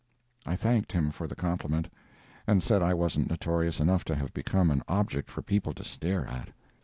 I thanked him for the compliment, and said I wasn't notorious enough to have become an object for people to stare at.